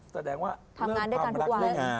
แสดงว่าเโลกความรักเรื่องงาน